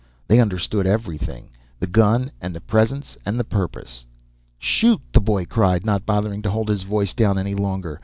They understood everything; the gun and the presence and the purpose. "Shoot!" the boy cried, not bothering to hold his voice down any longer.